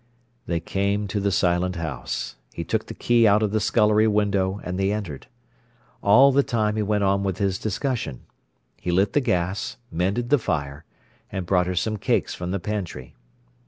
They came to the silent house. He took the key out of the scullery window, and they entered. All the time he went on with his discussion. He lit the gas, mended the fire, and brought her some cakes from the pantry.